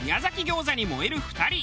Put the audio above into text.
餃子に燃える２人。